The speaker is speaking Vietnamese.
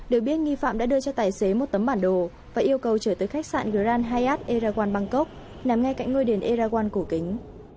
được biết nghi phạm đã đưa cho tài xế một tấm bản đồ và yêu cầu trở tới khách sạn grand hyatt erawan bangkok nằm ngay cạnh ngôi đền erawan cổ kính